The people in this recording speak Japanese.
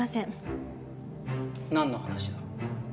なんの話だ？